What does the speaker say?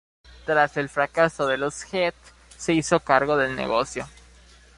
Tras el fracaso de los Heath, se hizo cargo del negocio.